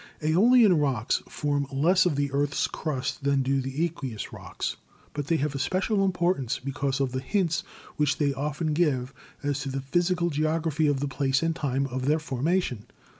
iEolian Rocks form less of the earth's crust than do the aqueous rocks, but they have a special importance be cause of the hints which they often give as to the physical geography of the place and time of their formation.